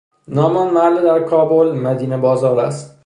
نام آن محله در کابل، مدینه بازار است